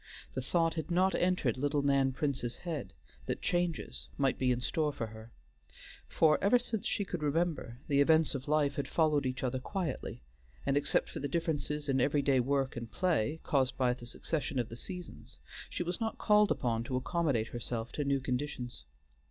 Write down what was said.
The thought had not entered little Nan Prince's head that changes might be in store for her, for, ever since she could remember, the events of life had followed each other quietly, and except for the differences in every day work and play, caused by the succession of the seasons, she was not called upon to accommodate herself to new conditions.